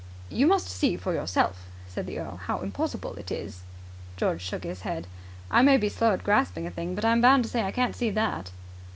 "You must see for yourself," said the earl, "how impossible it is." George shook his head. "I may be slow at grasping a thing, but I'm bound to say I can't see that."